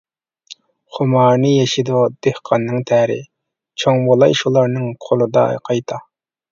خۇمارىنى يېشىدۇ دېھقاننىڭ تەرى، چوڭ بولاي شۇلارنىڭ قولىدا قايتا.